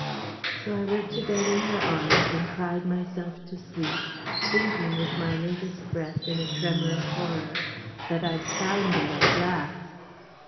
So I went to bed in her arms, and cried myself to sleep, thinking with my latest breath, in a tremor of horror, that I'd found it at last.